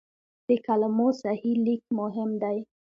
د کلمو صحیح لیک مهم دی.